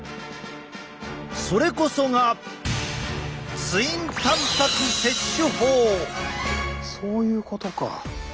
それこそがそういうことか！